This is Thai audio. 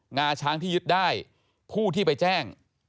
งาช้างที่ยึดได้ผู้ที่ไปแจ้ง